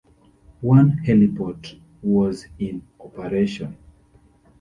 One heliport was in operation.